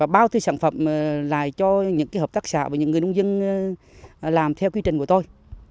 bao tiêu sản phẩm lại cho những hợp tác xã và những người nông dân làm theo quy trình của tôi